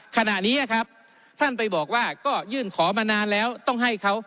ขณะนี้ครับท่านไปบอกว่าก็ยื่นขอมานานแล้วต้องให้เขา